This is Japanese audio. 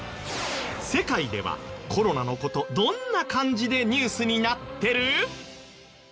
世界ではコロナの事どんな感じでニュースになってる？